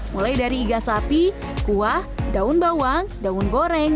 mulai dari iga sapi kuah daun bawang daun goreng